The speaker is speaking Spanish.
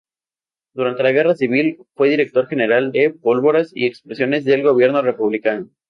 Durante la Guerra Civil, fue director general de pólvoras y explosivos del gobierno republicano.